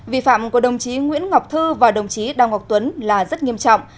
vi phạm của đồng chí nguyễn ngọc thư và đồng chí đào ngọc tuấn là rất nghiêm trọng